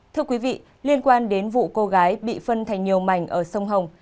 thưa quý vị liên quan đến vụ cô gái bị phân thành nhiều mảnh ở sông hồng